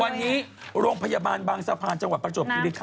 วันนี้โรงพยาบาลบางสะพานจังหวัดประจวบคิริคัน